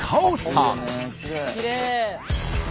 きれい！